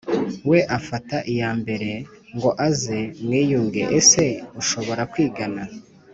we ufata iya mbere ngo aze mwiyunge Ese ushobora kwigana